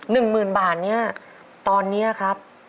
๑หมื่นบาทเนี่ยตอนนี้ครับ